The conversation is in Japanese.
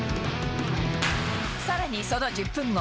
さらにその１０分後。